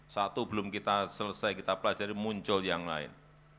satu belum kita selesai kita pelajari muncul yang lain